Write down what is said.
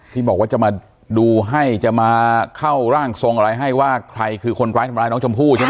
ที่บอกว่าจะมาดูให้จะมาเข้าร่างทรงอะไรให้ว่าใครคือคนร้ายทำร้ายน้องชมพู่ใช่ไหม